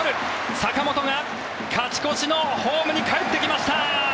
坂本が勝ち越しのホームにかえってきました！